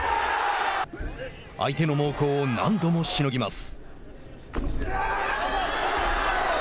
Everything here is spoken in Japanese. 相手の猛攻を何度もしのぎます。